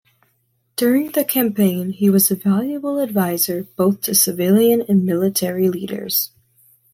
During the campaign he was a valuable advisor both to civilian and military leaders.